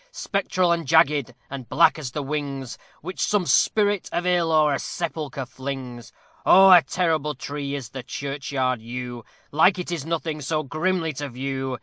Spectral and jagged, and black as the wings Which some spirit of ill o'er a sepulchre flings: Oh! a terrible tree is the churchyard yew; Like it is nothing so grimly to view.